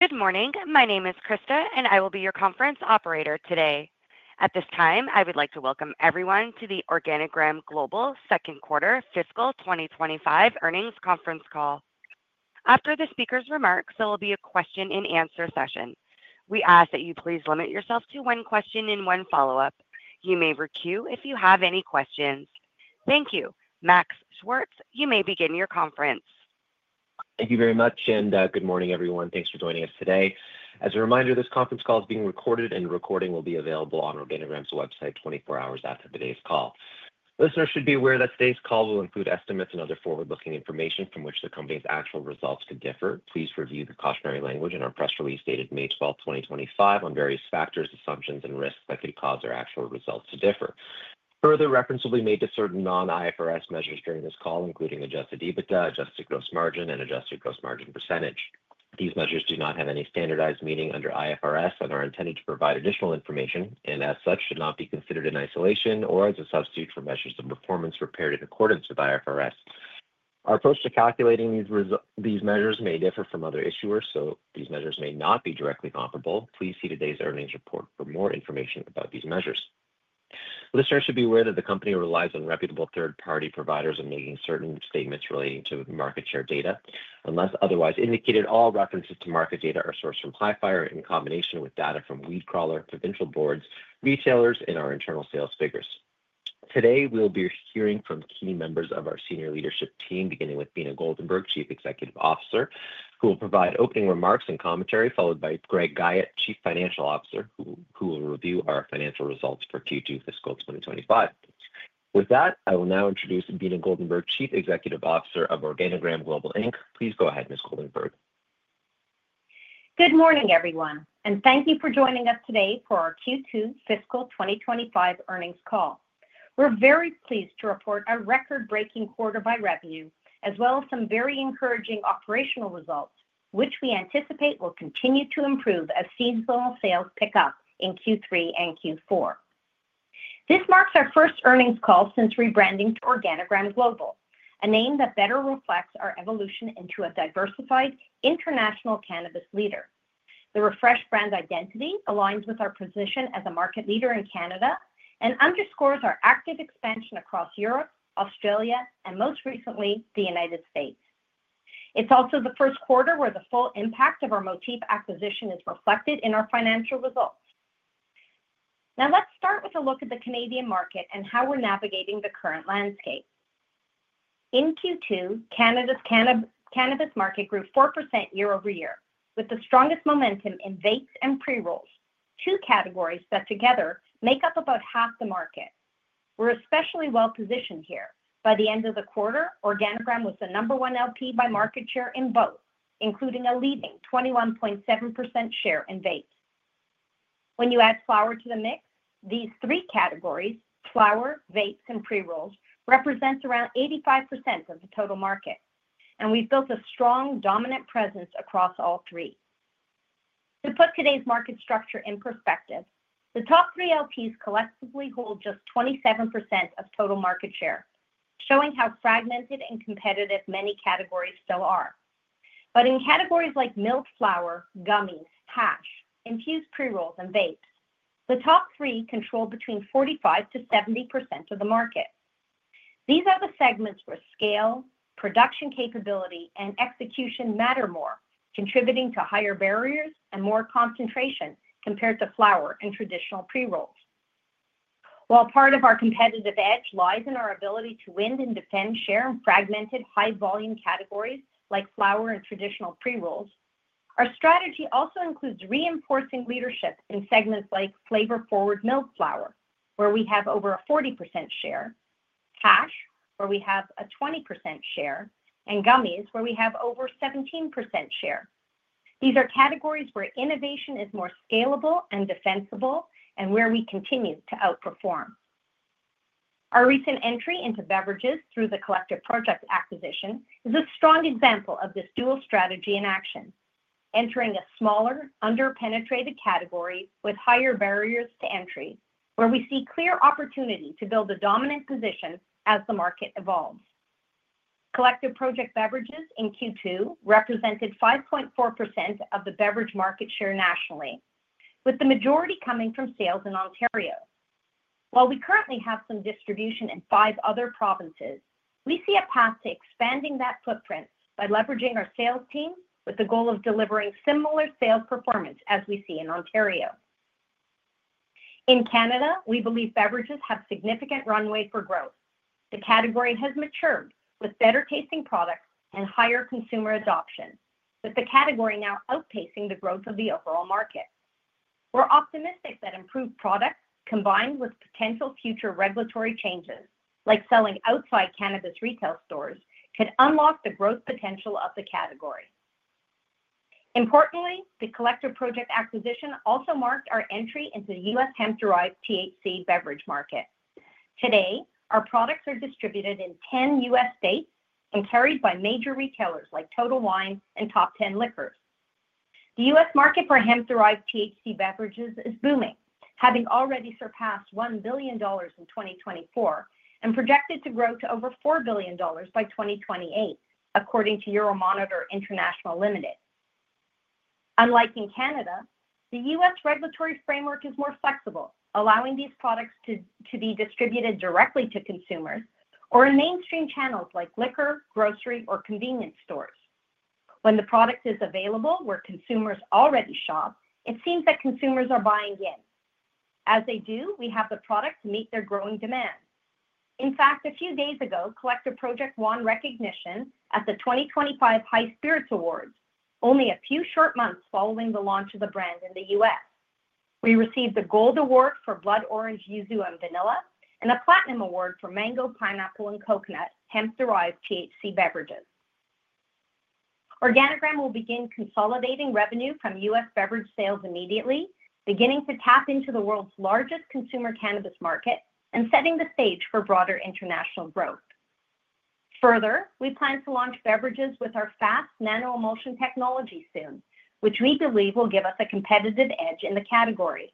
Good morning. My name is Krista, and I will be your conference operator today. At this time, I would like to welcome everyone to the OrganiGram Global Second Quarter Fiscal 2025 Earnings Conference Call. After the speaker's remarks, there will be a question-and-answer session. We ask that you please limit yourself to one question and one follow-up. You may recoup if you have any questions. Thank you. Max Schwartz, you may begin your conference. Thank you very much, and good morning, everyone. Thanks for joining us today. As a reminder, this conference call is being recorded, and the recording will be available on OrganiGram's website 24 hours after today's call. Listeners should be aware that today's call will include estimates and other forward-looking information from which the company's actual results could differ. Please review the cautionary language in our press release dated May 12, 2025, on various factors, assumptions, and risks that could cause our actual results to differ. Further reference will be made to certain non-IFRS measures during this call, including adjusted EBITDA, adjusted gross margin, and adjusted gross margin percentage. These measures do not have any standardized meaning under IFRS and are intended to provide additional information and, as such, should not be considered in isolation or as a substitute for measures of performance prepared in accordance with IFRS. Our approach to calculating these measures may differ from other issuers, so these measures may not be directly comparable. Please see today's earnings report for more information about these measures. Listeners should be aware that the company relies on reputable third-party providers in making certain statements relating to market share data. Unless otherwise indicated, all references to market data are sourced from Hifyre in combination with data from WeedCrawler, provincial boards, retailers, and our internal sales figures. Today, we'll be hearing from key members of our senior leadership team, beginning with Beena Goldenberg, Chief Executive Officer, who will provide opening remarks and commentary, followed by Greg Guyatt, Chief Financial Officer, who will review our financial results for Q2 Fiscal 2025. With that, I will now introduce Beena Goldenberg, Chief Executive Officer of OrganiGram Global Inc. Please go ahead, Ms. Goldenberg. Good morning, everyone, and thank you for joining us today for our Q2 Fiscal 2025 Earnings Call. We're very pleased to report a record-breaking quarter by revenue, as well as some very encouraging operational results, which we anticipate will continue to improve as seasonal sales pick up in Q3 and Q4. This marks our first earnings call since rebranding to OrganiGram Global, a name that better reflects our evolution into a diversified international cannabis leader. The refreshed brand identity aligns with our position as a market leader in Canada and underscores our active expansion across Europe, Australia, and most recently, the United States. It's also the first quarter where the full impact of our Motif acquisition is reflected in our financial results. Now, let's start with a look at the Canadian market and how we're navigating the current landscape. In Q2, Canada's cannabis market grew 4% year-over-year, with the strongest momentum in vapes and pre-rolls, two categories that together make up about half the market. We're especially well-positioned here. By the end of the quarter, OrganiGram was the number one LP by market share in both, including a leading 21.7% share in vapes. When you add flower to the mix, these three categories—flower, vapes, and pre-rolls—represent around 85% of the total market, and we've built a strong, dominant presence across all three. To put today's market structure in perspective, the top three LPs collectively hold just 27% of total market share, showing how fragmented and competitive many categories still are. In categories like milk, flower, gummies, hash, infused pre-rolls, and vapes, the top three control between 45%-70% of the market. These are the segments where scale, production capability, and execution matter more, contributing to higher barriers and more concentration compared to flower and traditional pre-rolls. While part of our competitive edge lies in our ability to win and defend share in fragmented, high-volume categories like flower and traditional pre-rolls, our strategy also includes reinforcing leadership in segments like flavor-forward milled flower, where we have over a 40% share, hash, where we have a 20% share, and gummies, where we have over a 17% share. These are categories where innovation is more scalable and defensible, and where we continue to outperform. Our recent entry into beverages through the Collective Project acquisition is a strong example of this dual strategy in action, entering a smaller, under-penetrated category with higher barriers to entry, where we see clear opportunity to build a dominant position as the market evolves. Collective Project beverages in Q2 represented 5.4% of the beverage market share nationally, with the majority coming from sales in Ontario. While we currently have some distribution in five other provinces, we see a path to expanding that footprint by leveraging our sales team with the goal of delivering similar sales performance as we see in Ontario. In Canada, we believe beverages have significant runway for growth. The category has matured with better-tasting products and higher consumer adoption, with the category now outpacing the growth of the overall market. We're optimistic that improved products, combined with potential future regulatory changes, like selling outside cannabis retail stores, could unlock the growth potential of the category. Importantly, the Collective Project acquisition also marked our entry into the U.S. hemp-derived THC beverage market. Today, our products are distributed in 10 U.S. states and carried by major retailers like Total Wine and Top Ten Liquors. The U.S. market for hemp-derived THC beverages is booming, having already surpassed $1 billion in 2024 and projected to grow to over $4 billion by 2028, according to Euromonitor International Limited. Unlike in Canada, the U.S. regulatory framework is more flexible, allowing these products to be distributed directly to consumers or in mainstream channels like liquor, grocery, or convenience stores. When the product is available where consumers already shop, it seems that consumers are buying in. As they do, we have the product to meet their growing demand. In fact, a few days ago, Collective Project won recognition at the 2025 High Spirits Awards, only a few short months following the launch of the brand in the U.S. We received the Gold Award for blood orange, yuzu, and vanilla, and a Platinum Award for mango, pineapple, and coconut hemp-derived THC beverages. OrganiGram will begin consolidating revenue from U.S. beverage sales immediately, beginning to tap into the world's largest consumer cannabis market and setting the stage for broader international growth. Further, we plan to launch beverages with our FAST nanoemulsion technology soon, which we believe will give us a competitive edge in the category.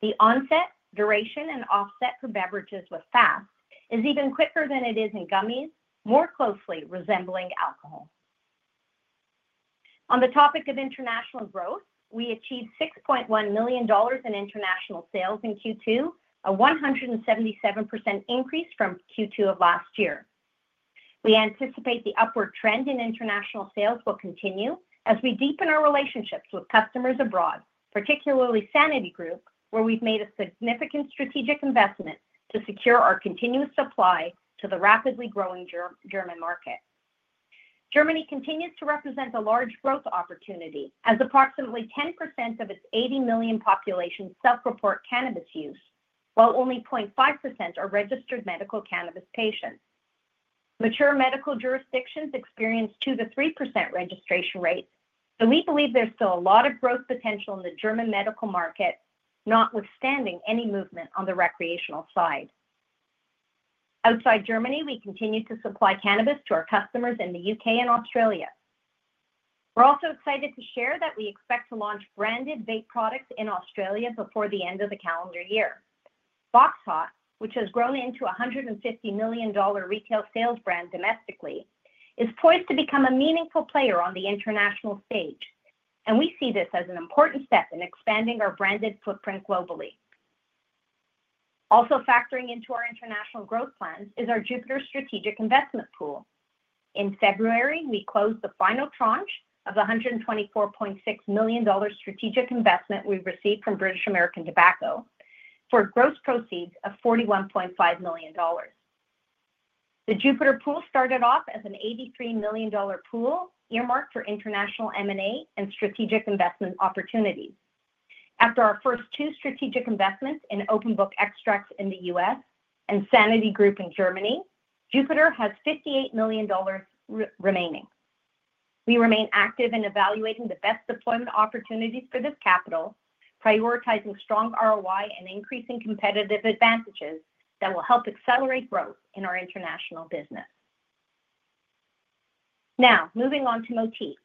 The onset, duration, and offset for beverages with FAST is even quicker than it is in gummies, more closely resembling alcohol. On the topic of international growth, we achieved 6.1 million dollars in international sales in Q2, a 177% increase from Q2 of last year. We anticipate the upward trend in international sales will continue as we deepen our relationships with customers abroad, particularly Sanity Group, where we've made a significant strategic investment to secure our continuous supply to the rapidly growing German market. Germany continues to represent a large growth opportunity as approximately 10% of its 80 million population self-report cannabis use, while only 0.5% are registered medical cannabis patients. Mature medical jurisdictions experience 2%-3% registration rates, so we believe there's still a lot of growth potential in the German medical market, notwithstanding any movement on the recreational side. Outside Germany, we continue to supply cannabis to our customers in the U.K. and Australia. We're also excited to share that we expect to launch branded vape products in Australia before the end of the calendar year. BOXHOT, which has grown into a 150 million dollar retail sales brand domestically, is poised to become a meaningful player on the international stage, and we see this as an important step in expanding our branded footprint globally. Also factoring into our international growth plans is our Jupiter strategic investment pool. In February, we closed the final tranche of the 124.6 million dollars strategic investment we received from British American Tobacco for gross proceeds of 41.5 million dollars. The Jupiter pool started off as a 83 million dollar pool earmarked for international M&A and strategic investment opportunities. After our first two strategic investments in Open Book Extracts in the U.S. and Sanity Group in Germany, Jupiter has 58 million dollars remaining. We remain active in evaluating the best deployment opportunities for this capital, prioritizing strong ROI and increasing competitive advantages that will help accelerate growth in our international business. Now, moving on to Motif,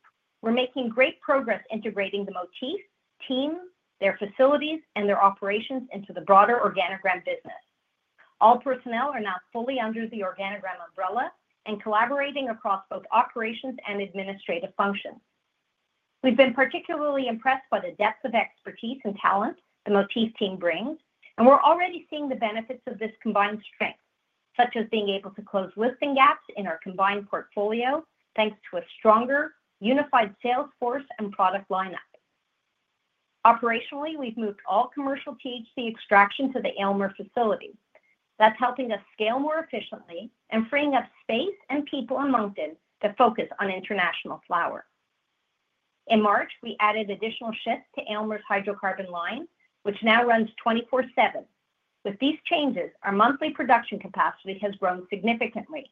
we're making great progress integrating the Motif team, their facilities, and their operations into the broader OrganiGram business. All personnel are now fully under the OrganiGram umbrella and collaborating across both operations and administrative functions. We've been particularly impressed by the depth of expertise and talent the Motif team brings, and we're already seeing the benefits of this combined strength, such as being able to close listing gaps in our combined portfolio thanks to a stronger, unified sales force and product lineup. Operationally, we've moved all commercial THC extraction to the Aylmer facility. That's helping us scale more efficiently and freeing up space and people in London to focus on international flower. In March, we added additional shifts to Aylmer's hydrocarbon line, which now runs 24/7. With these changes, our monthly production capacity has grown significantly.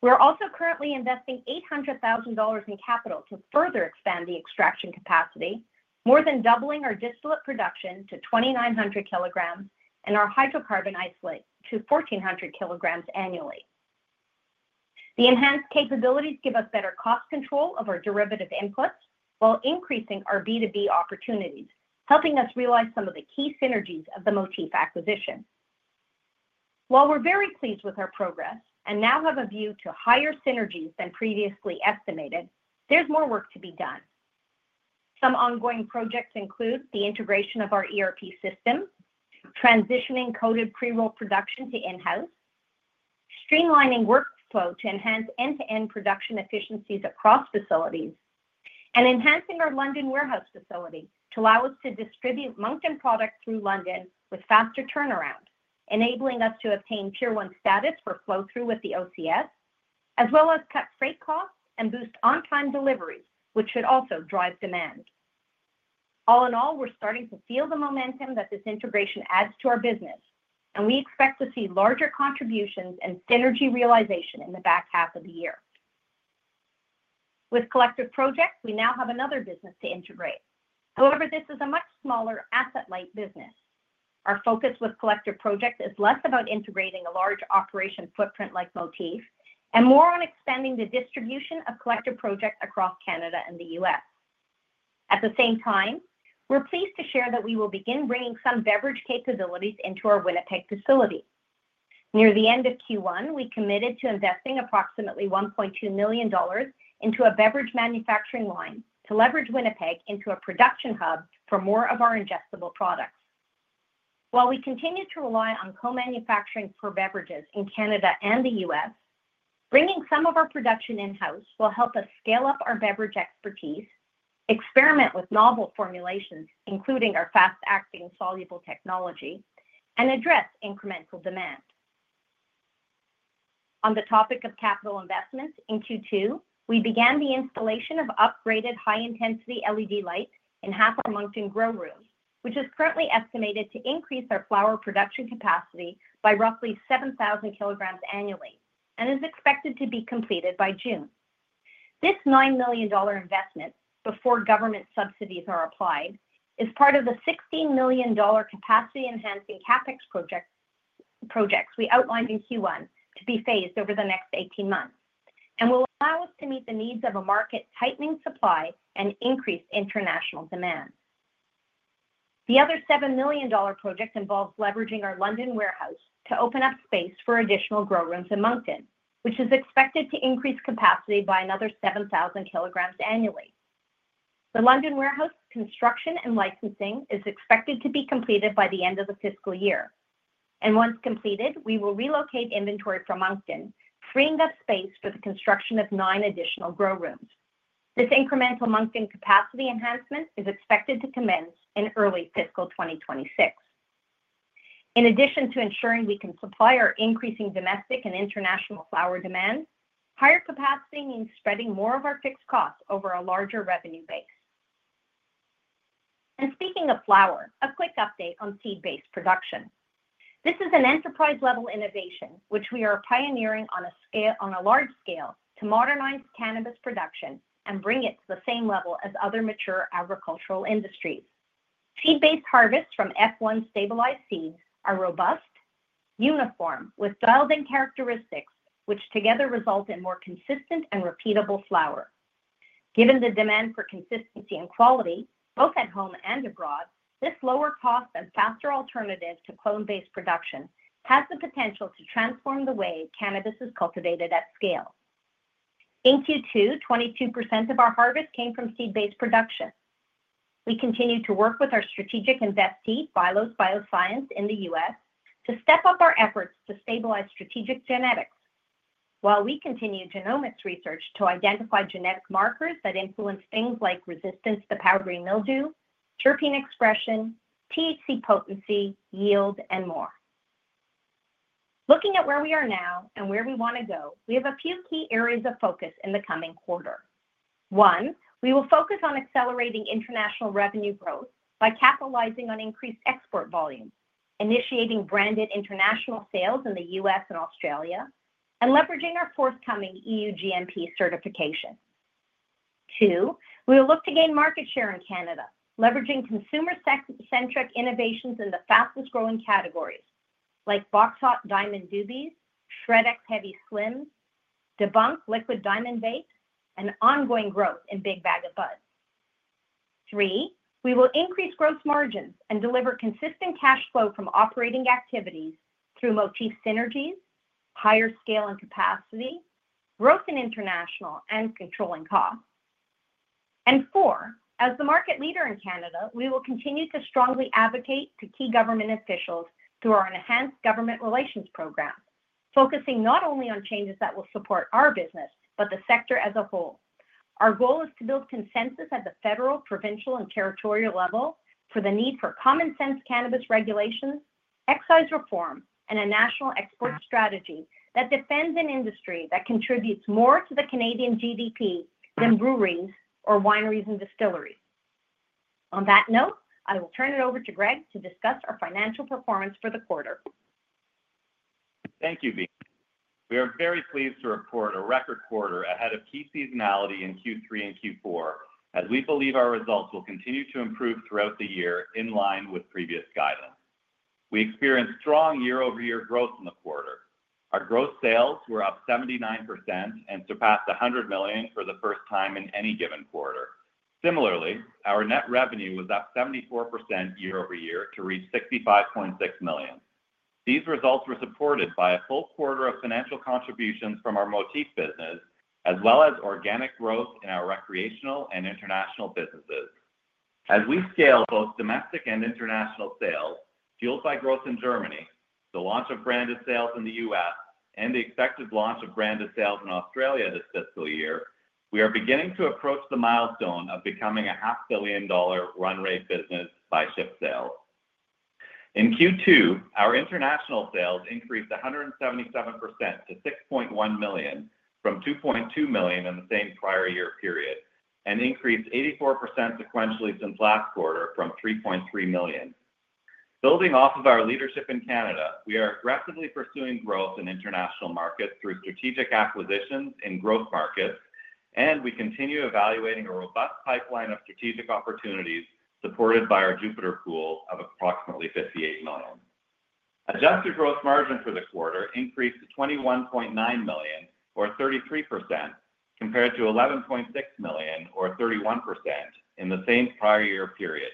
We're also currently investing 800,000 dollars in capital to further expand the extraction capacity, more than doubling our distillate production to 2,900 kg and our hydrocarbon isolate to 1,400 kg annually. The enhanced capabilities give us better cost control of our derivative inputs while increasing our B2B opportunities, helping us realize some of the key synergies of the Motif acquisition. While we're very pleased with our progress and now have a view to higher synergies than previously estimated, there's more work to be done. Some ongoing projects include the integration of our ERP system, transitioning coded pre-roll production to in-house, streamlining workflow to enhance end-to-end production efficiencies across facilities, and enhancing our London warehouse facility to allow us to distribute Moncton product through London with faster turnaround, enabling us to obtain Tier 1 status for flow-through with the OCS, as well as cut freight costs and boost on-time deliveries, which should also drive demand. All in all, we're starting to feel the momentum that this integration adds to our business, and we expect to see larger contributions and synergy realization in the back half of the year. With Collective Project, we now have another business to integrate. However, this is a much smaller asset-light business. Our focus with Collective Project is less about integrating a large operation footprint like Motif and more on expanding the distribution of Collective Project across Canada and the U.S. At the same time, we're pleased to share that we will begin bringing some beverage capabilities into our Winnipeg facility. Near the end of Q1, we committed to investing approximately 1.2 million dollars into a beverage manufacturing line to leverage Winnipeg into a production hub for more of our ingestible products. While we continue to rely on co-manufacturing for beverages in Canada and the U.S., bringing some of our production in-house will help us scale up our beverage expertise, experiment with novel formulations, including our fast-acting soluble technology, and address incremental demand. On the topic of capital investments, in Q2, we began the installation of upgraded high-intensity LED lights in half our Moncton grow rooms, which is currently estimated to increase our flower production capacity by roughly 7,000 kg annually and is expected to be completed by June. This 9 million dollar investment, before government subsidies are applied, is part of the 16 million dollar capacity-enhancing CapEx projects we outlined in Q1 to be phased over the next 18 months and will allow us to meet the needs of a market tightening supply and increased international demand. The other 7 million dollar project involves leveraging our London warehouse to open up space for additional grow rooms in Moncton, which is expected to increase capacity by another 7,000 kg annually. The London warehouse construction and licensing is expected to be completed by the end of the fiscal year, and once completed, we will relocate inventory from Moncton, freeing up space for the construction of nine additional grow rooms. This incremental Moncton capacity enhancement is expected to commence in early fiscal 2026. In addition to ensuring we can supply our increasing domestic and international flower demand, higher capacity means spreading more of our fixed costs over a larger revenue base. Speaking of flower, a quick update on seed-based production. This is an enterprise-level innovation, which we are pioneering on a large scale to modernize cannabis production and bring it to the same level as other mature agricultural industries. Seed-based harvests from F1 stabilized seeds are robust, uniform, with welding characteristics, which together result in more consistent and repeatable flower. Given the demand for consistency and quality, both at home and abroad, this lower cost and faster alternative to clone-based production has the potential to transform the way cannabis is cultivated at scale. In Q2, 22% of our harvest came from seed-based production. We continue to work with our strategic investee, Phylos Bioscience in the U.S., to step up our efforts to stabilize strategic genetics, while we continue genomics research to identify genetic markers that influence things like resistance to powdery mildew, terpene expression, THC potency, yield, and more. Looking at where we are now and where we want to go, we have a few key areas of focus in the coming quarter. One, we will focus on accelerating international revenue growth by capitalizing on increased export volumes, initiating branded international sales in the U.S. and Australia, and leveraging our forthcoming EU GMP certification. Two, we will look to gain market share in Canada, leveraging consumer-centric innovations in the fastest-growing categories, like BOXHOT Diamond Doobies, SHRED Heavy Slims, DEBUNK Liquid Diamond Vapes, and ongoing growth in Big Bag o' Buds. Three, we will increase gross margins and deliver consistent cash flow from operating activities through Motif synergies, higher scale and capacity, growth in international and controlling costs. Four, as the market leader in Canada, we will continue to strongly advocate to key government officials through our enhanced government relations program, focusing not only on changes that will support our business, but the sector as a whole. Our goal is to build consensus at the federal, provincial, and territorial level for the need for common-sense cannabis regulations, excise reform, and a national export strategy that defends an industry that contributes more to the Canadian GDP than breweries or wineries and distilleries. On that note, I will turn it over to Greg to discuss our financial performance for the quarter. Thank you, Beena. We are very pleased to report a record quarter ahead of key seasonality in Q3 and Q4, as we believe our results will continue to improve throughout the year in line with previous guidance. We experienced strong year-over-year growth in the quarter. Our gross sales were up 79% and surpassed 100 million for the first time in any given quarter. Similarly, our net revenue was up 74% year-over-year to reach 65.6 million. These results were supported by a full quarter of financial contributions from our Motif business, as well as organic growth in our recreational and international businesses. As we scale both domestic and international sales, fueled by growth in Germany, the launch of branded sales in the U.S., and the expected launch of branded sales in Australia this fiscal year, we are beginning to approach the milestone of becoming a half-billion-dollar run-rate business by [ship sales]. In Q2, our international sales increased 177% to 6.1 million, from 2.2 million in the same prior year period, and increased 84% sequentially since last quarter, from 3.3 million. Building off of our leadership in Canada, we are aggressively pursuing growth in international markets through strategic acquisitions in growth markets, and we continue evaluating a robust pipeline of strategic opportunities supported by our Jupiter pool of approximately 58 million. Adjusted gross margin for the quarter increased to 21.9 million, or 33%, compared to 11.6 million, or 31%, in the same prior year period.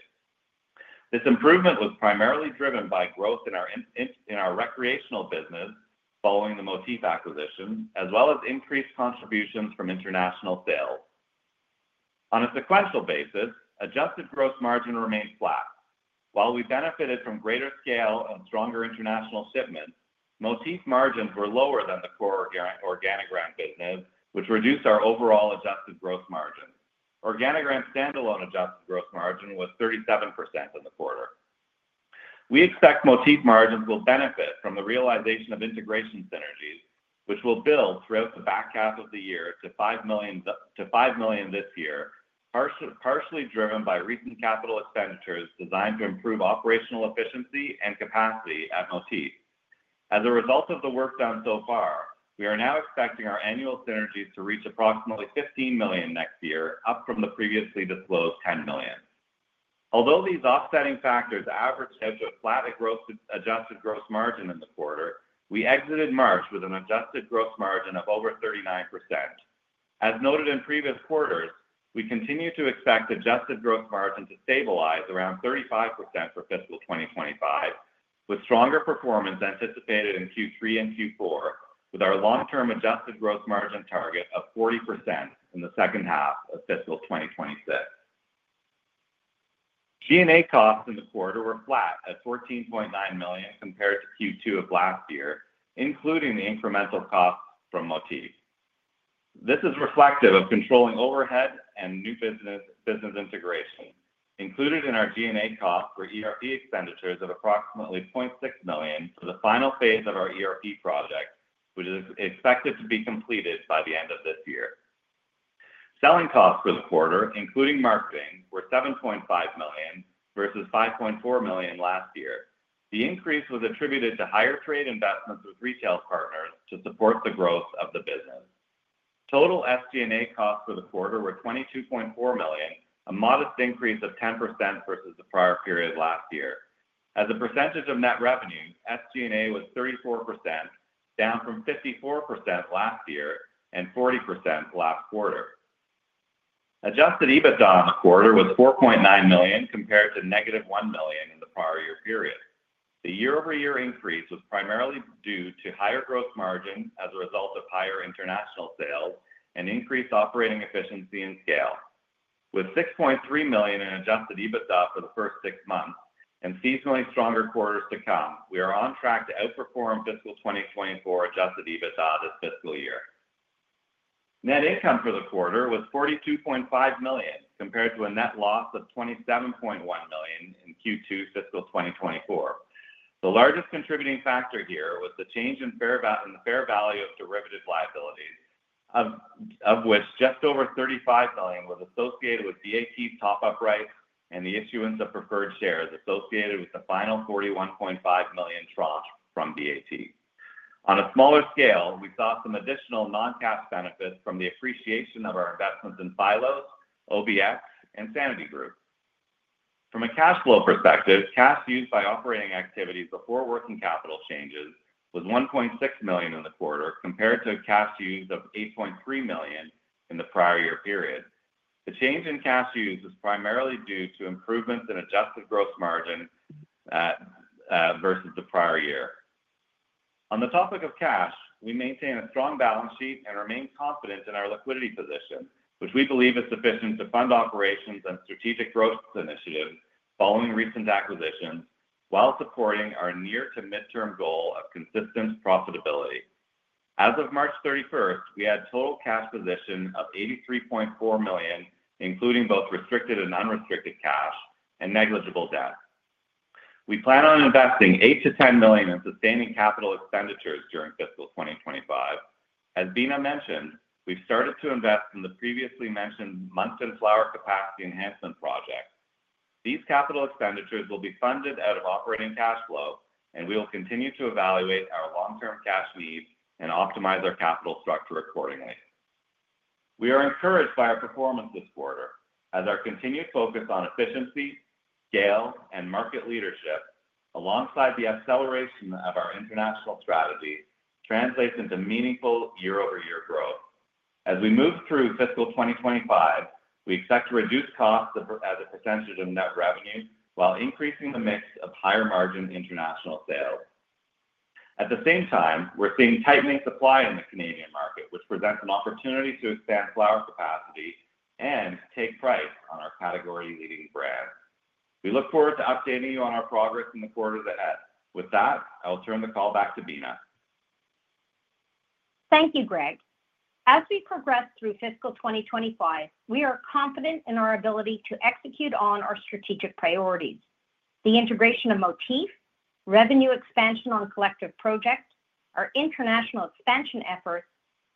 This improvement was primarily driven by growth in our recreational business following the Motif acquisition, as well as increased contributions from international sales. On a sequential basis, adjusted gross margin remained flat. While we benefited from greater scale and stronger international shipments, Motif margins were lower than the core OrganiGram business, which reduced our overall adjusted gross margin. OrganiGram's standalone adjusted gross margin was 37% in the quarter. We expect Motif margins will benefit from the realization of integration synergies, which will build throughout the back half of the year to 5 million this year, partially driven by recent capital expenditures designed to improve operational efficiency and capacity at Motif. As a result of the work done so far, we are now expecting our annual synergies to reach approximately 15 million next year, up from the previously disclosed 10 million. Although these offsetting factors average out to a flat adjusted gross margin in the quarter, we exited March with an adjusted gross margin of over 39%. As noted in previous quarters, we continue to expect adjusted gross margin to stabilize around 35% for fiscal 2025, with stronger performance anticipated in Q3 and Q4, with our long-term adjusted gross margin target of 40% in the second half of fiscal 2026. G&A costs in the quarter were flat at 14.9 million compared to Q2 of last year, including the incremental costs from Motif. This is reflective of controlling overhead and new business integration. Included in our G&A costs were ERP expenditures of approximately 0.6 million for the final phase of our ERP project, which is expected to be completed by the end of this year. Selling costs for the quarter, including marketing, were 7.5 million versus 5.4 million last year. The increase was attributed to higher trade investments with retail partners to support the growth of the business. Total SG&A costs for the quarter were 22.4 million, a modest increase of 10% versus the prior period last year. As a percentage of net revenue, SG&A was 34%, down from 54% last year and 40% last quarter. Adjusted EBITDA on the quarter was 4.9 million compared to negative 1 million in the prior year period. The year-over-year increase was primarily due to higher gross margins as a result of higher international sales and increased operating efficiency and scale. With 6.3 million in adjusted EBITDA for the first six months and seasonally stronger quarters to come, we are on track to outperform fiscal 2024 adjusted EBITDA this fiscal year. Net income for the quarter was 42.5 million compared to a net loss of 27.1 million in Q2 fiscal 2024. The largest contributing factor here was the change in the fair value of derivative liabilities, of which just over 35 million was associated with BAT top-up rights and the issuance of preferred shares associated with the final 41.5 million tranche from BAT. On a smaller scale, we saw some additional non-cash benefits from the appreciation of our investments in silos, OBX, and Sanity Group. From a cash flow perspective, cash used by operating activities before working capital changes was 1.6 million in the quarter compared to a cash used of 8.3 million in the prior year period. The change in cash used is primarily due to improvements in adjusted gross margin versus the prior year. On the topic of cash, we maintain a strong balance sheet and remain confident in our liquidity position, which we believe is sufficient to fund operations and strategic growth initiatives following recent acquisitions while supporting our near-to-midterm goal of consistent profitability. As of March 31st, we had a total cash position of 83.4 million, including both restricted and unrestricted cash and negligible debt. We plan on investing 8-10 million in sustaining capital expenditures during fiscal 2025. As Beena mentioned, we've started to invest in the previously mentioned Moncton flower capacity enhancement project. These capital expenditures will be funded out of operating cash flow, and we will continue to evaluate our long-term cash needs and optimize our capital structure accordingly. We are encouraged by our performance this quarter, as our continued focus on efficiency, scale, and market leadership, alongside the acceleration of our international strategy, translates into meaningful year-over-year growth. As we move through fiscal 2025, we expect to reduce costs as a percentage of net revenue while increasing the mix of higher-margin international sales. At the same time, we're seeing tightening supply in the Canadian market, which presents an opportunity to expand flower capacity and take price on our category-leading brands. We look forward to updating you on our progress in the quarter ahead. With that, I'll turn the call back to Beena. Thank you, Greg. As we progress through fiscal 2025, we are confident in our ability to execute on our strategic priorities: the integration of Motif, revenue expansion on Collective Project, our international expansion efforts,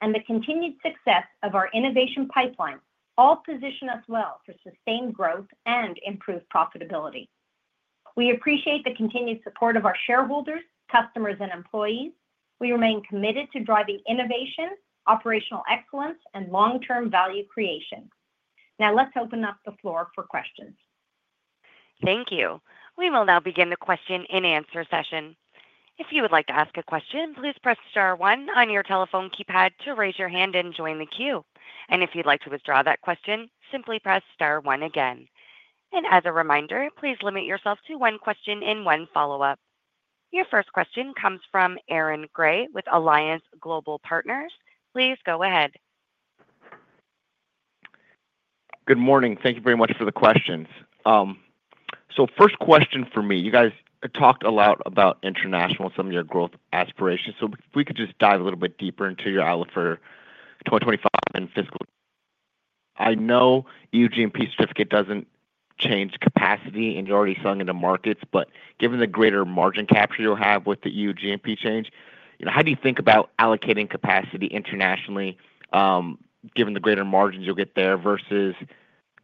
and the continued success of our innovation pipeline, all position us well for sustained growth and improved profitability. We appreciate the continued support of our shareholders, customers, and employees. We remain committed to driving innovation, operational excellence, and long-term value creation. Now, let's open up the floor for questions. Thank you. We will now begin the question-and-answer session. If you would like to ask a question, please press star one on your telephone keypad to raise your hand and join the queue. If you'd like to withdraw that question, simply press star one again. As a reminder, please limit yourself to one question and one follow-up. Your first question comes from Aaron Grey with Alliance Global Partners. Please go ahead. Good morning. Thank you very much for the questions. First question for me, you guys talked a lot about international and some of your growth aspirations. If we could just dive a little bit deeper into your outlook for 2025 and fiscal. I know EU GMP certificate does not change capacity, and you are already selling into markets. Given the greater margin capture you will have with the EU GMP change, how do you think about allocating capacity internationally, given the greater margins you will get there versus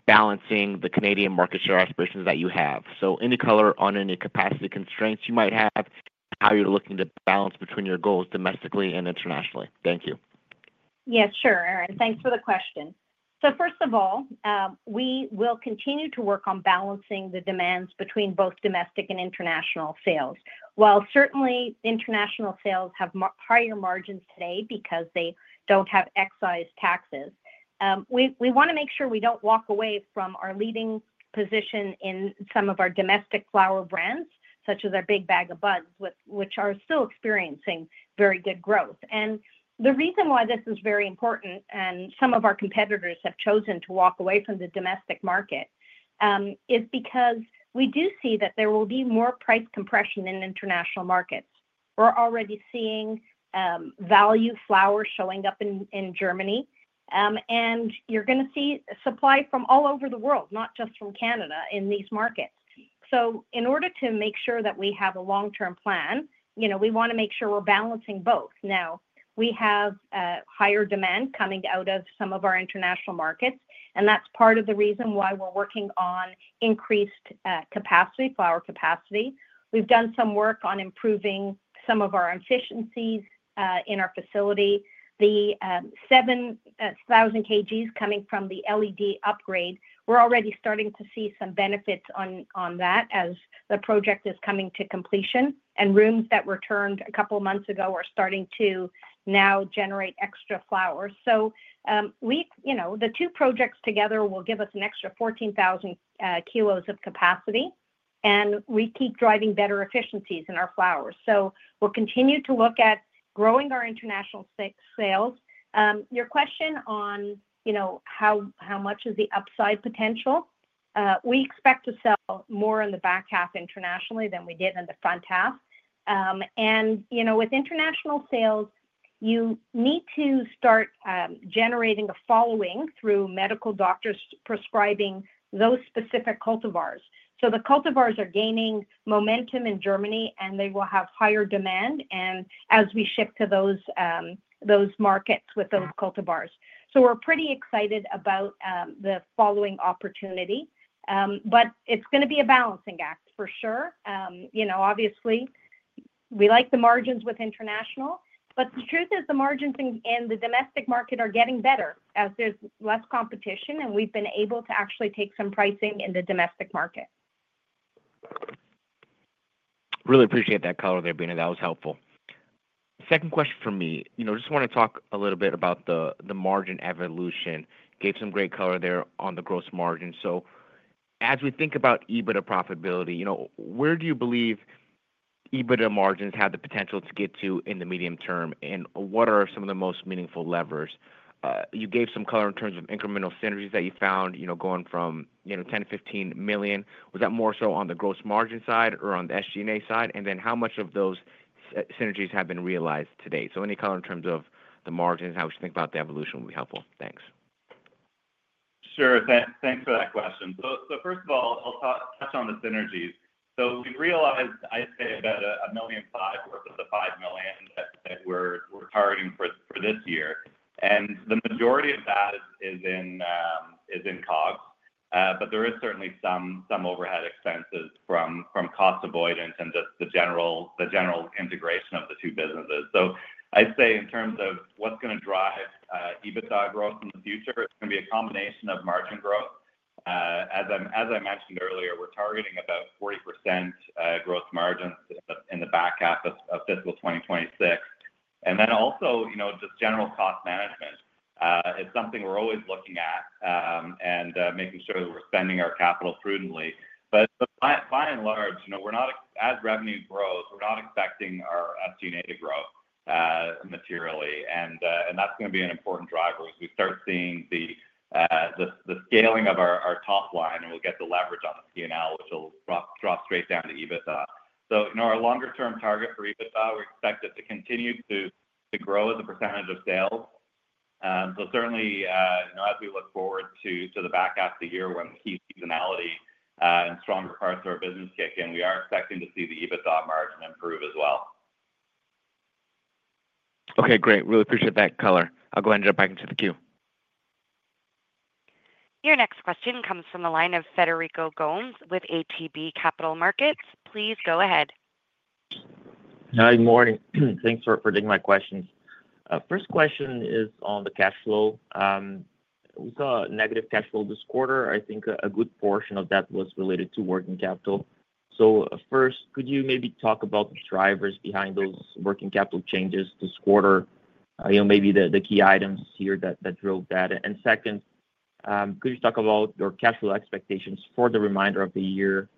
balancing the Canadian market share aspirations that you have? Any color on any capacity constraints you might have, how you are looking to balance between your goals domestically and internationally? Thank you. Yes, sure, Aaron. Thanks for the question. First of all, we will continue to work on balancing the demands between both domestic and international sales. While certainly international sales have higher margins today because they do not have excise taxes, we want to make sure we do not walk away from our leading position in some of our domestic flower brands, such as our Big Bag o' Buds, which are still experiencing very good growth. The reason why this is very important and some of our competitors have chosen to walk away from the domestic market is because we do see that there will be more price compression in international markets. We are already seeing value flowers showing up in Germany, and you are going to see supply from all over the world, not just from Canada, in these markets. In order to make sure that we have a long-term plan, we want to make sure we are balancing both. Now, we have higher demand coming out of some of our international markets, and that's part of the reason why we're working on increased flower capacity. We've done some work on improving some of our efficiencies in our facility. The 7,000 kg coming from the LED upgrade, we're already starting to see some benefits on that as the project is coming to completion, and rooms that were turned a couple of months ago are starting to now generate extra flowers. The two projects together will give us an extra 14,000 kg of capacity, and we keep driving better efficiencies in our flowers. We'll continue to look at growing our international sales. Your question on how much is the upside potential? We expect to sell more in the back half internationally than we did in the front half. With international sales, you need to start generating a following through medical doctors prescribing those specific cultivars. The cultivars are gaining momentum in Germany, and they will have higher demand as we shift to those markets with those cultivars. We are pretty excited about the following opportunity. It is going to be a balancing act, for sure. Obviously, we like the margins with international, but the truth is the margins in the domestic market are getting better as there is less competition, and we have been able to actually take some pricing in the domestic market. Really appreciate that color there, Beena. That was helpful. Second question for me, I just want to talk a little bit about the margin evolution. Gave some great color there on the gross margin. As we think about EBITDA profitability, where do you believe EBITDA margins have the potential to get to in the medium-term, and what are some of the most meaningful levers? You gave some color in terms of incremental synergies that you found going from 10 million-15 million. Was that more on the gross margin side or on the SG&A side? How much of those synergies have been realized today? Any color in terms of the margins, how we should think about the evolution, will be helpful. Thanks. Sure. Thanks for that question. First of all, I'll touch on the synergies. We've realized, I'd say, about 1.5 million worth of the 5 million that we're targeting for this year. The majority of that is in COGS. There is certainly some overhead expenses from cost avoidance and just the general integration of the two businesses. I'd say in terms of what's going to drive EBITDA growth in the future, it's going to be a combination of margin growth. As I mentioned earlier, we're targeting about 40% gross margins in the back half of fiscal 2026. Also, just general cost management. It's something we're always looking at and making sure that we're spending our capital prudently. By and large, as revenue grows, we're not expecting our SG&A to grow materially. That's going to be an important driver as we start seeing the scaling of our top line, and we'll get the leverage on the P&L, which will drop straight down to EBITDA. Our longer-term target for EBITDA, we expect it to continue to grow as a percentage of sales. So certainly, as we look forward to the back half of the year when key seasonality and stronger parts of our business kick in, we are expecting to see the EBITDA margin improve as well. Okay, great. Really appreciate that color. I'll go ahead and jump back into the queue. Your next question comes from the line of Frederico Gomes with ATB Capital Markets. Please go ahead. Hi, good morning. Thanks for taking my questions. First question is on the cash flow. We saw a negative cash flow this quarter. I think a good portion of that was related to working capital. First, could you maybe talk about the drivers behind those working capital changes this quarter? Maybe the key items here that drove that. Second, could you talk about your cash flow expectations for the remainder of the year?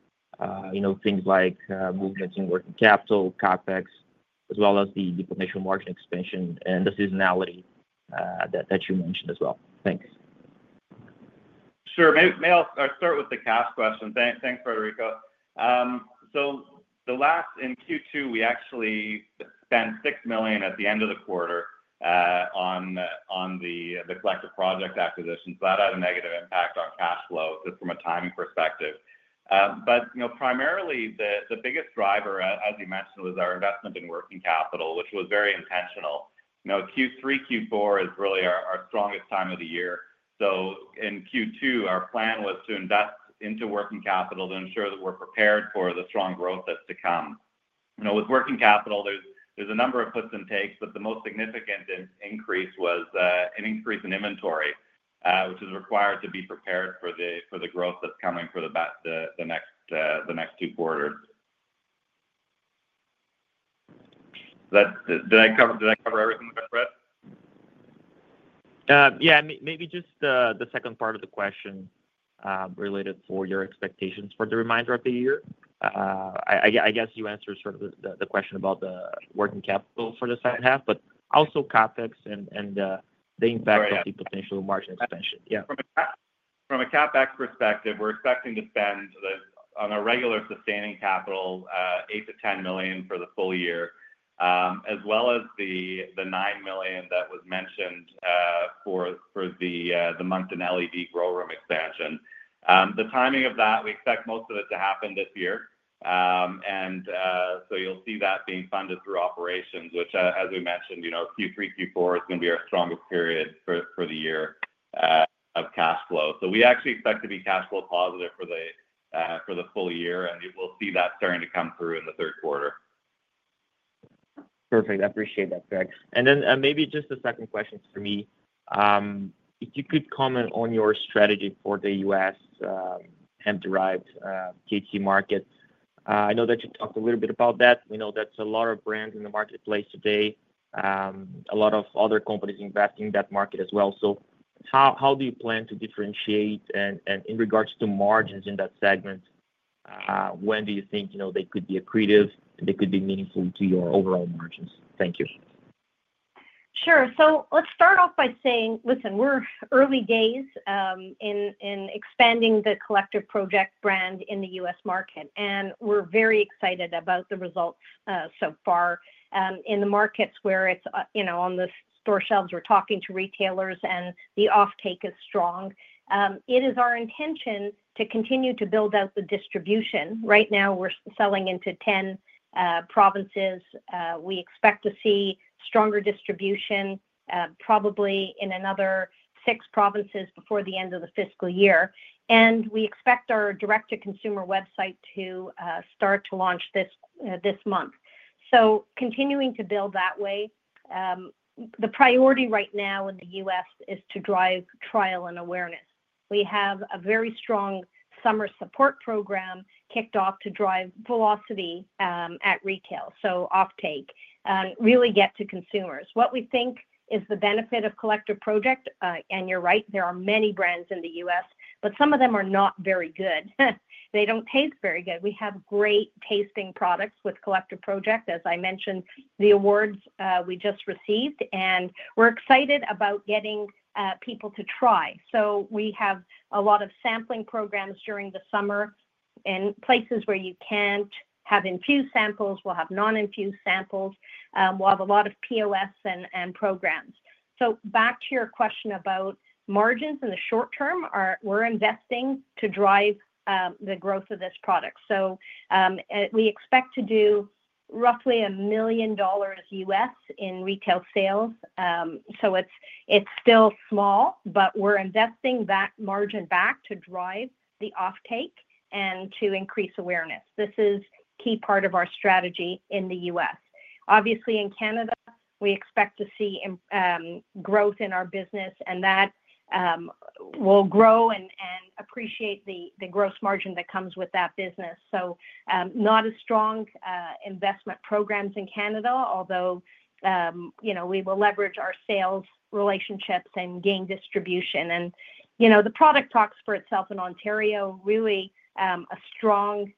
Things like movements in working capital, CapEx, as well as the potential margin expansion and the seasonality that you mentioned as well. Thanks. Sure. May I start with the cash question? Thanks, Frederico. In Q2, we actually spent 6 million at the end of the quarter on the Collective Project acquisitions. That had a negative impact on cash flow just from a timing perspective. Primarily, the biggest driver, as you mentioned, was our investment in working capital, which was very intentional. Q3, Q4 is really our strongest time of the year. In Q2, our plan was to invest into working capital to ensure that we are prepared for the strong growth that is to come. With working capital, there's a number of puts and takes, but the most significant increase was an increase in inventory, which is required to be prepared for the growth that's coming for the next two quarters. Did I cover everything with that, Fred? Yeah. Maybe just the second part of the question related to your expectations for the remainder of the year. I guess you answered sort of the question about the working capital for the second half, but also CapEx and the impact of the potential margin expansion. Yeah. From a CapEx perspective, we're expecting to spend on a regular sustaining capital 8 million-10 million for the full year, as well as the 9 million that was mentioned for the Moncton LED grow room expansion. The timing of that, we expect most of it to happen this year. You will see that being funded through operations, which, as we mentioned, Q3, Q4 is going to be our strongest period for the year of cash flow. We actually expect to be cash flow positive for the full year, and we will see that starting to come through in the third quarter. Perfect. I appreciate that, Greg. Maybe just a second question for me. If you could comment on your strategy for the U.S. hemp-derived THC market. I know that you talked a little bit about that. We know there are a lot of brands in the marketplace today, a lot of other companies investing in that market as well. How do you plan to differentiate in regards to margins in that segment? When do you think they could be accretive and they could be meaningful to your overall margins? Thank you. Sure. Let's start off by saying, listen, we're early days in expanding the Collective Project brand in the U.S. market. We're very excited about the results so far. In the markets where it's on the store shelves, we're talking to retailers, and the offtake is strong. It is our intention to continue to build out the distribution. Right now, we're selling into 10 provinces. We expect to see stronger distribution, probably in another six provinces before the end of the fiscal year. We expect our direct-to-consumer website to start to launch this month. Continuing to build that way. The priority right now in the U.S. is to drive trial and awareness. We have a very strong summer support program kicked off to drive velocity at retail, offtake, and really get to consumers. What we think is the benefit of Collective Project, and you're right, there are many brands in the U.S., but some of them are not very good. They don't taste very good. We have great tasting products with Collective Project, as I mentioned, the awards we just received. We are excited about getting people to try. We have a lot of sampling programs during the summer in places where you can't have infused samples. We will have non-infused samples. We will have a lot of POS and programs. Back to your question about margins in the short term, we are investing to drive the growth of this product. We expect to do roughly 1 million dollars in retail sales. It is still small, but we are investing that margin back to drive the offtake and to increase awareness. This is a key part of our strategy in the U.S.. Obviously, in Canada, we expect to see growth in our business, and that will grow and appreciate the gross margin that comes with that business. Not as strong investment programs in Canada, although we will leverage our sales relationships and gain distribution. The product talks for itself in Ontario, really a strong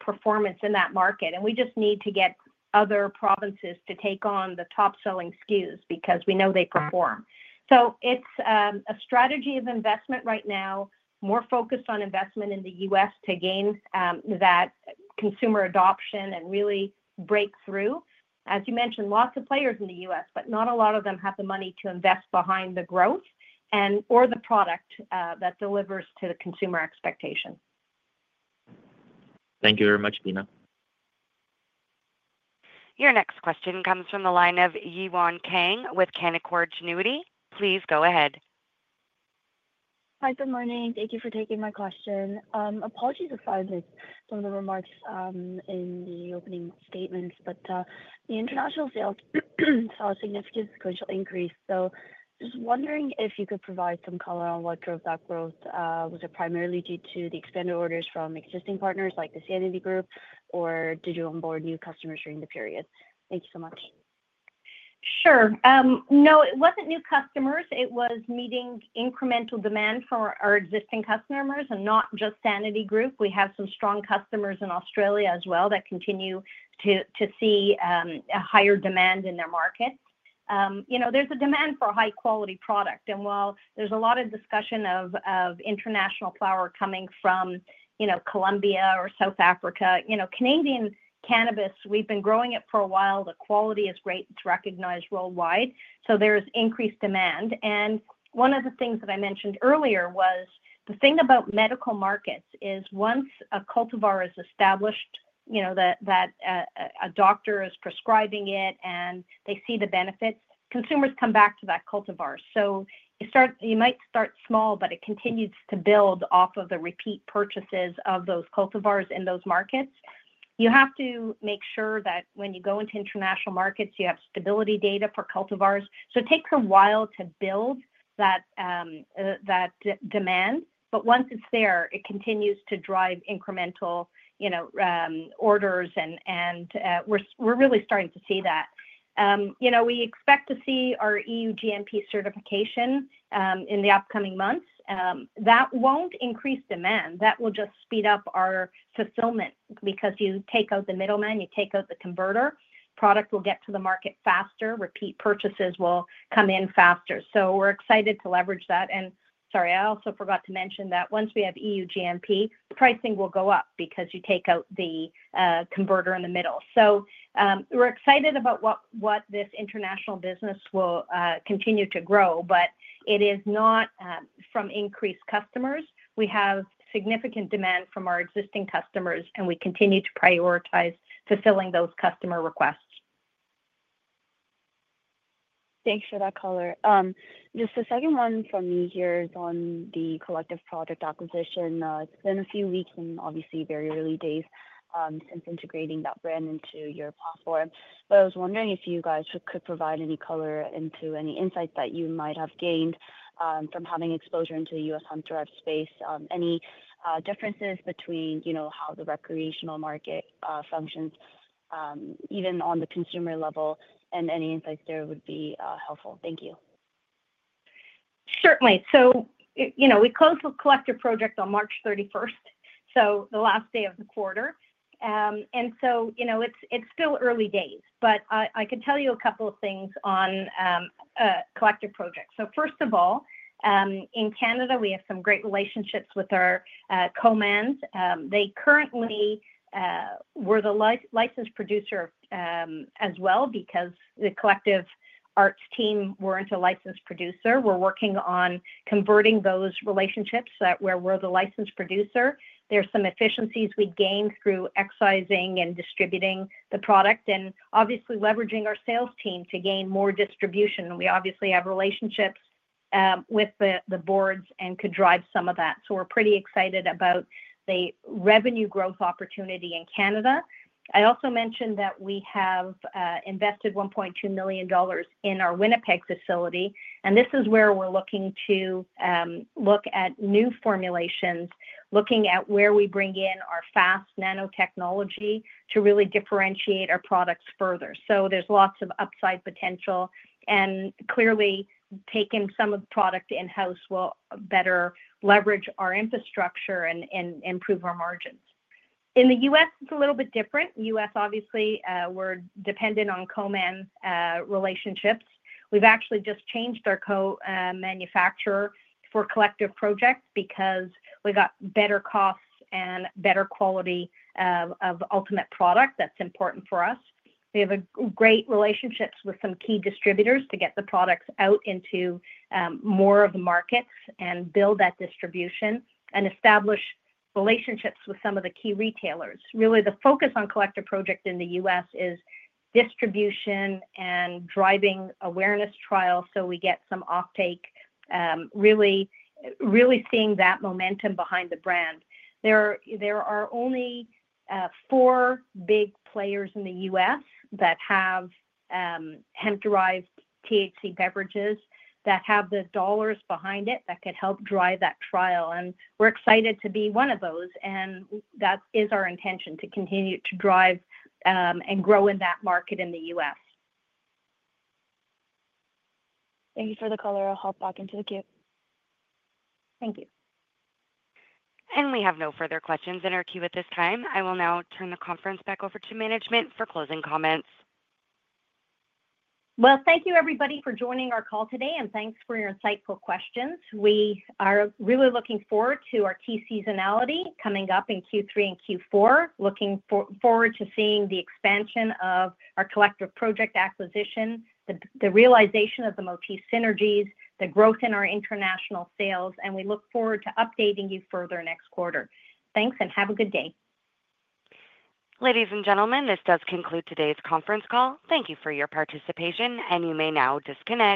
performance in that market. We just need to get other provinces to take on the top-selling SKUs because we know they perform. It is a strategy of investment right now, more focused on investment in the U.S. to gain that consumer adoption and really break through. As you mentioned, lots of players in the U.S., but not a lot of them have the money to invest behind the growth or the product that delivers to the consumer expectation. Thank you very much, Beena. Your next question comes from the line of Yewon Kang with Canaccord Genuity. Please go ahead. Hi, good morning. Thank you for taking my question. Apologies if I missed some of the remarks in the opening statements, but the international sales saw a significant sequential increase. Just wondering if you could provide some color on what drove that growth. Was it primarily due to the expanded orders from existing partners like the Sanity Group, or did you onboard new customers during the period? Thank you so much. Sure. No, it was not new customers. It was meeting incremental demand for our existing customers and not just Sanity Group. We have some strong customers in Australia as well that continue to see a higher demand in their market. There is a demand for a high-quality product. While there is a lot of discussion of international flower coming from Colombia or South Africa, Canadian cannabis, we have been growing it for a while. The quality is great. It is recognized worldwide. There is increased demand. One of the things that I mentioned earlier was the thing about medical markets is once a cultivar is established, that a doctor is prescribing it, and they see the benefits, consumers come back to that cultivar. You might start small, but it continues to build off of the repeat purchases of those cultivars in those markets. You have to make sure that when you go into international markets, you have stability data for cultivars. It takes a while to build that demand. Once it is there, it continues to drive incremental orders. We are really starting to see that. We expect to see our EU GMP certification in the upcoming months. That will not increase demand. That will just speed up our fulfillment because you take out the middleman, you take out the converter, product will get to the market faster, repeat purchases will come in faster. We are excited to leverage that. Sorry, I also forgot to mention that once we have EU GMP, pricing will go up because you take out the converter in the middle. We are excited about what this international business will continue to grow, but it is not from increased customers. We have significant demand from our existing customers, and we continue to prioritize fulfilling those customer requests. Thanks for that color. The second one from me here is on the collective Project acquisition. It has been a few weeks and obviously very early days since integrating that brand into your platform. But I was wondering if you guys could provide any color into any insights that you might have gained from having exposure into the U.S. hemp-derived space. Any differences between how the recreational market functions, even on the consumer level, and any insights there would be helpful. Thank you. Certainly. We closed the Collective Project on March 31st, so the last day of the quarter. It is still early days, but I can tell you a couple of things on Collective Project. First of all, in Canada, we have some great relationships with our co-mans. They currently were the licensed producer as well because the Collective Arts team were not a licensed producer. We are working on converting those relationships where we are the licensed producer. There are some efficiencies we gained through excising and distributing the product and obviously leveraging our sales team to gain more distribution. We obviously have relationships with the boards and could drive some of that. We are pretty excited about the revenue growth opportunity in Canada. I also mentioned that we have invested 1.2 million dollars in our Winnipeg facility. This is where we are looking to look at new formulations, looking at where we bring in our fast nanotechnology to really differentiate our products further. There is lots of upside potential. Clearly, taking some of the product in-house will better leverage our infrastructure and improve our margins. In the U.S., it is a little bit different. U.S., obviously, we are dependent on co-man relationships. We have actually just changed our co-manufacturer for Collective Project because we got better costs and better quality of ultimate product. That is important for us. We have great relationships with some key distributors to get the products out into more of the markets and build that distribution and establish relationships with some of the key retailers. Really, the focus on Collective Project in the U.S. is distribution and driving awareness trials so we get some offtake, really seeing that momentum behind the brand. There are only four big players in the U.S. that have hemp-derived THC beverages that have the dollars behind it that could help drive that trial. We are excited to be one of those. That is our intention to continue to drive and grow in that market in the U.S. Thank you for the color. I'll hop back into the queue. Thank you. We have no further questions in our queue at this time. I will now turn the conference back over to management for closing comments. Thank you, everybody, for joining our call today, and thanks for your insightful questions. We are really looking forward to our [key] seasonality coming up in Q3 and Q4, looking forward to seeing the expansion of our Collective Project acquisition, the realization of the Motif synergies, the growth in our international sales, and we look forward to updating you further next quarter. Thanks and have a good day. Ladies and gentlemen, this does conclude today's conference call. Thank you for your participation, and you may now disconnect.